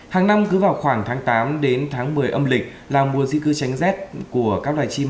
hàng năm cứ vào khoảng tháng tám đến tháng một mươi âm lịch là mùa di cư tránh rét của các loài chim